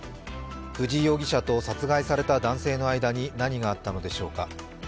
藤井容疑者と殺害された男性の間に何があったのでしょうか。